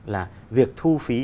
là việc thu phí